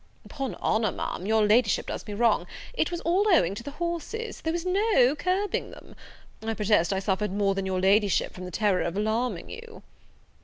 "'Pon honour, Ma'am, your La'ship does me wrong; it was all owing to the horses, there was no curbing them. I protest I suffered more than your Ladyship, from the terror of alarming you."